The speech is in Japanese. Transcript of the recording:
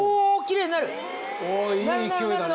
いい勢いだね！